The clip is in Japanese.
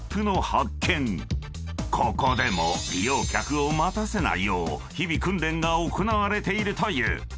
［ここでも利用客を待たせないよう日々訓練が行われているという］